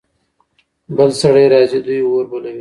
بل سړی راځي. دوی اور بلوي.